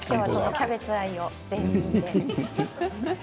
キャベツ愛を全身で。